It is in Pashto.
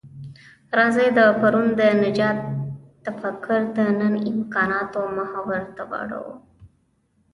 راځئ د پرون د نجات تفکر د نن امکاناتو محور ته راوړوو.